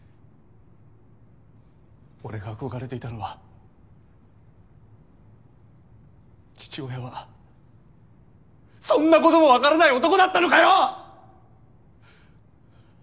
俺が憧れていたのは父親はそんなこともわからない男だったのかよ！